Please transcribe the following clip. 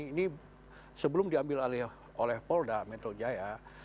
ini sebelum diambil oleh polda metro jaya